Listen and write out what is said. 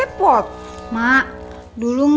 kita harus pilih kucing ini